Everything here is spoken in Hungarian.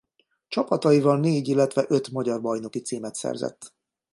Csapataival négy illetve öt magyar bajnoki címet szerzett.